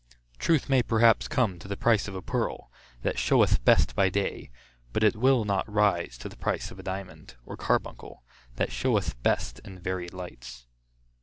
Truth may perhaps come to the price of a pearl, that showeth best by day; but it will not rise to the price of a diamond, or carbuncle, that showeth best in varied lights.